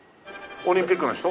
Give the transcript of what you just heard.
オリンピックの人？